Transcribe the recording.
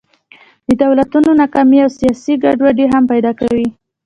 د دولتونو ناکامي او سیاسي ګډوډۍ هم پیدا کوي.